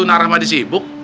nara mahdi sibuk